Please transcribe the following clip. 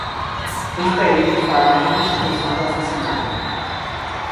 Os peritos farão a reconstituição do assassinato.